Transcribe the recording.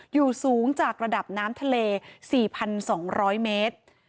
อยู่สูงจากระดับน้ำทะเล๔๒๐๐เมตร